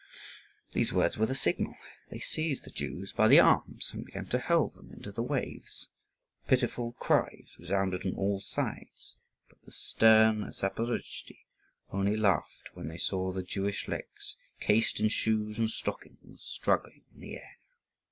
These words were the signal. They seized the Jews by the arms and began to hurl them into the waves. Pitiful cries resounded on all sides; but the stern Zaporozhtzi only laughed when they saw the Jewish legs, cased in shoes and stockings, struggling in the air.